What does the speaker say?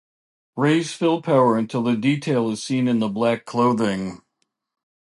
Raise fill power until detail is seen in the black clothing.